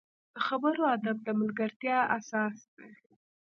د خبرو ادب د ملګرتیا اساس دی